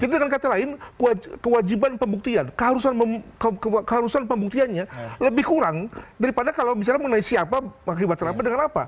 jadi dengan kata lain kewajiban pembuktian keharusan pembuktiannya lebih kurang daripada kalau misalnya mengenai siapa mengakibat terapet dengan apa